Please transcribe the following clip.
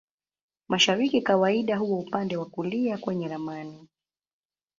Mashariki kawaida huwa upande wa kulia kwenye ramani.